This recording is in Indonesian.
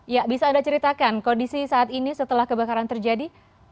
ya bisa anda ceritakan kondisi saat ini setelah kebakaran terjadi